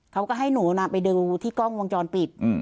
เขาก็ให้หนูไปดูที่กล้องวงจรปิด